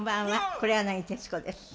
黒柳徹子です。